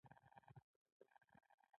حق تل د مینې په بڼه څرګندېږي.